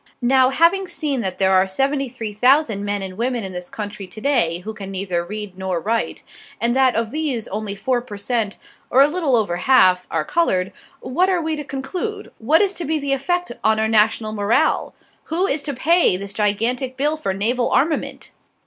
Now, having seen that there are 73,000 men and women in this country today who can neither read nor write, and that of these only 4%, or a little over half, are colored, what are we to conclude? What is to be the effect on our national morale? Who is to pay this gigantic bill for naval armament?